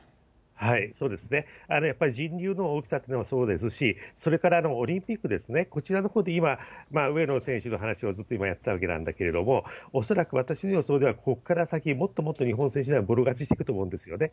そうですね、やっぱり人流の大きさっていうのもそうですし、それからオリンピックですね、こちらのほうで今、上野選手の話をずっと今、やってたわけなんだけども、恐らく私の予想では、ここから先、もっともっと日本選手団、ぼろ勝ちしていくと思うんですよね。